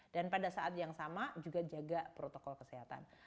dan pada saat yang sama juga jaga protokol kesehatan